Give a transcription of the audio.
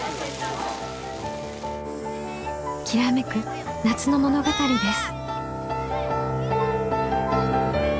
きらめく夏の物語です。